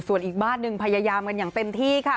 ส่วนอีกบ้านหนึ่งพยายามกันอย่างเต็มที่ค่ะ